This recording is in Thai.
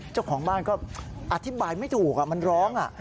เจ้าของบ้านก็อธิบายไม่ถูกมันร้อง